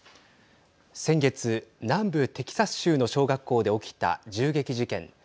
先月、南部テキサス州の小学校で起きた銃撃事件。